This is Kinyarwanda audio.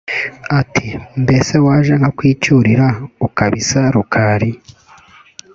ati “Mbese waje nkakwicyurira ukabisa Rukali